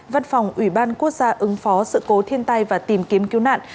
văn phòng ủy ban quốc gia ứng phó sự cố thiên tai và tìm kiếm cứu nạn